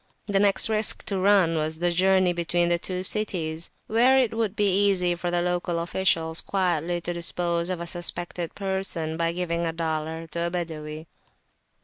The next risk to be run was the journey between the two cities, where it would be easy for the local officials quietly to dispose of a suspected person by giving a dollar to a Badawi.